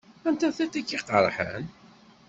Anta tiṭ i k-iqerḥen?